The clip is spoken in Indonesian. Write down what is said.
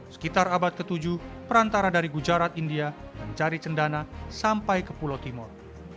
sekitar abad ke tujuh perantara dari gujarat india mencari cendana sampai ke pulau timur